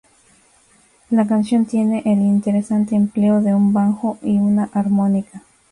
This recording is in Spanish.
La canción tiene el interesante empleo de un banjo y una armónica.